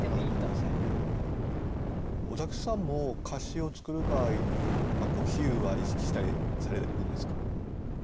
尾崎さんも歌詞を作る場合に比喩は意識したりされるんですか？